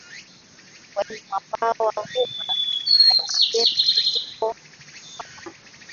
kwenye mwambao wa ghuba ya UajemiShirikisho limepakana